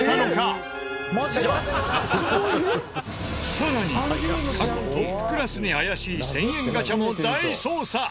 さらに過去トップクラスに怪しい１０００円ガチャも大捜査！